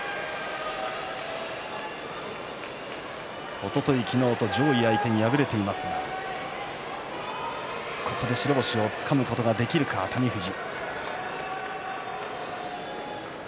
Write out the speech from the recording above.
おととい、昨日と上位相手に敗れていますがここで白星をつかむことができるか熱海富士。